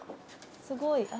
すごい。